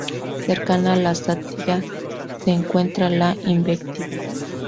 Cercana a la sátira se encuentra la invectiva..."